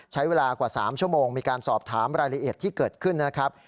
ใช้เวลากว่า๓ชั่วโมงมีการสอบถามรายละเอียดที่เกิดขึ้นนะครับ